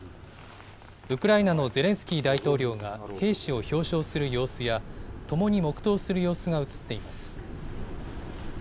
ウクライナのゼレンスキー大統領が兵士を表彰する様子やともに黙とうする様子が映っています。